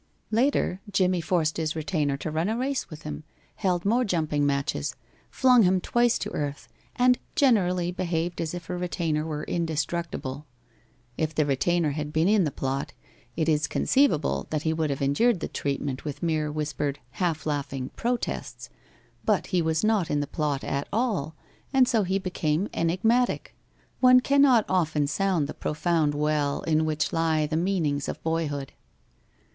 Later, Jimmie forced his retainer to run a race with him, held more jumping matches, flung him twice to earth, and generally behaved as if a retainer was indestructible. If the retainer had been in the plot, it is conceivable that he would have endured this treatment with mere whispered, half laughing protests. But he was not in the plot at all, and so he became enigmatic. One cannot often sound the profound well in which lie the meanings of boyhood.